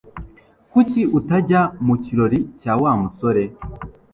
Kuki utajya mu kirori cya Wa musore?